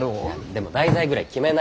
でも題材ぐらい決めないと。